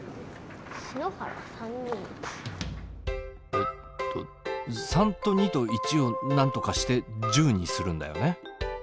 えっと３と２と１をなんとかして１０にするんだよね？